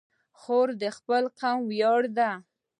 خور د خپل قوم ویاړ ده.